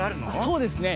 そうですね。